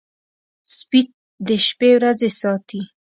سپي د شپې ورځي ساتي.